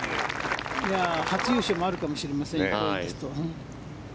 初優勝もあるかもしれません。